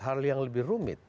hal yang lebih rumit